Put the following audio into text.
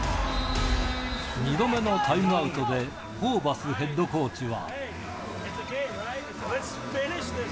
２度目のタイムアウトで、ホーバスヘッドコーチは。